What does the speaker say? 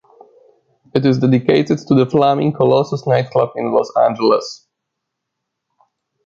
It is dedicated to the Flaming Colossus nightclub in Los Angeles.